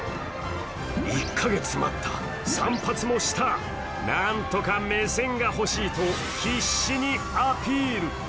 １か月待った、散髪もした、なんとか目線が欲しいと必死にアピール。